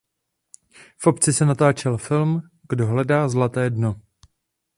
V obci se natáčel film "Kdo hledá zlaté dno".